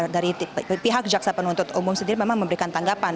dan pihak jaksa penuntut umum sendiri memang memberikan tanggapan